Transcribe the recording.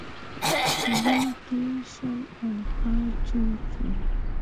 کلونه تېر شول او ښار جوړ شو